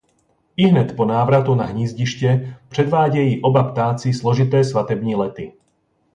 Ihned po návratu na hnízdiště předvádějí oba ptáci složité svatební lety.